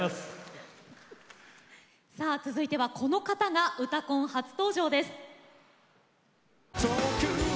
続いては、この方が「うたコン」初登場です。